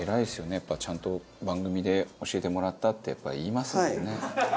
やっぱちゃんと「番組で教えてもらった」ってやっぱり言いますもんね。